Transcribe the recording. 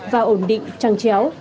và ổn định trăng chéo